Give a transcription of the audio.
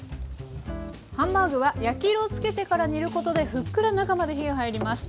ハンバーグは焼き色を付けてから煮ることでふっくら中まで火が入ります。